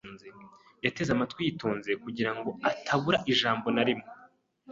Yateze amatwi yitonze kugira ngo atabura ijambo na rimwe.